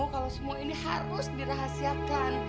kalau semua ini harus dirahasiakan